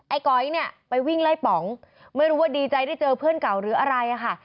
ก๋อยเนี่ยไปวิ่งไล่ป๋องไม่รู้ว่าดีใจได้เจอเพื่อนเก่าหรืออะไรอะค่ะ